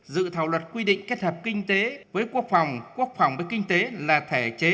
dự thảo luật quy định kết hợp kinh tế với quốc phòng quốc phòng với kinh tế là thể chế